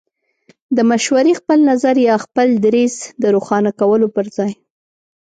د مشورې، خپل نظر يا خپل دريځ د روښانه کولو پر ځای